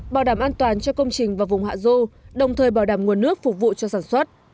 bảo đảm an toàn cho công trình và vùng hạ du đồng thời bảo đảm nguồn nước phục vụ cho sản xuất